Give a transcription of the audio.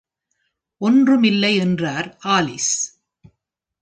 ‘ஒன்றுமில்லை’ என்றார் ஆலிஸ்.